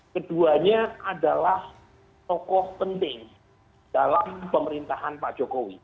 keduanya adalah tokoh penting dalam pemerintahan pak jokowi